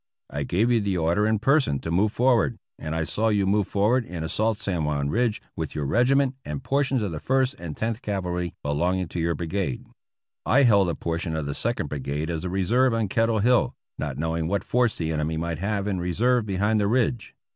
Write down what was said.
I gave you the order in per son to move forward, and I saw you move forward and assault San Juan Ridge with your regiment and portions of the First and Tenth Cavalry belonging to your Brigade. I held a portion of the Second Brigade as a reserve on Kettle Hill, not knowing what force the enemy might have in re serve behind the ridge.